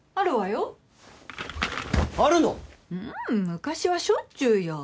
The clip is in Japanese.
昔はしょっちゅうよ。